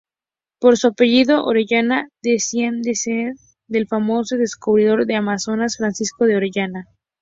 Por su apellido Orellana decían descender del famoso descubridor del Amazonas, Francisco de Orellana.